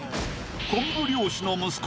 昆布漁師の息子